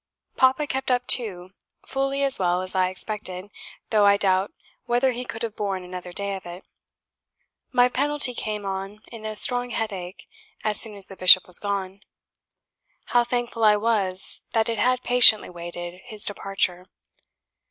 Papa kept up, too, fully as well as I expected, though I doubt whether he could have borne another day of it. My penalty came on in a strong headache as soon as the Bishop was gone: how thankful I was that it had patiently waited his departure.